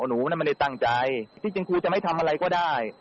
หนูน่ะไม่ได้ตั้งใจที่จริงครูจะไม่ทำอะไรก็ได้